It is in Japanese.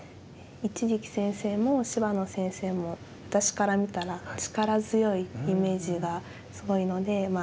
一力先生も芝野先生も私から見たら力強いイメージがすごいのでまあ